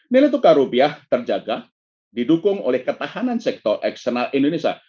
nilai tukar rupiah terjaga didukung oleh ketahanan sektor eksternal indonesia